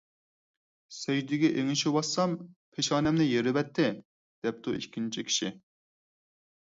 _ سەجدىگە ئېڭىشىۋاتسام، پېشانەمنى يېرىۋەتتى، _ دەپتۇ ئىككىنچى كىشى.